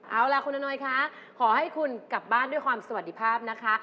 เอาล่ะคุณอนยคะขอให้คุณกลับบ้านด้วยความสวัสดีภาพนะคะ